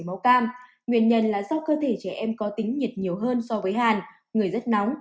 nguyên nhân là do cơ thể trẻ em có tính nhiệt nhiều hơn so với hàn người rất nóng